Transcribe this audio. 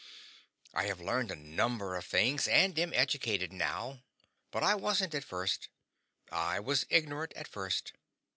I have learned a number of things, and am educated, now, but I wasn't at first. I was ignorant at first.